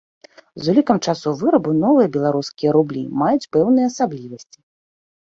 З улікам часу вырабу новыя беларускія рублі маюць пэўныя асаблівасці.